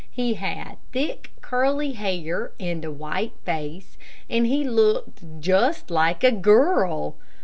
He had thick curly hair and a white face, and he looked just like a girl.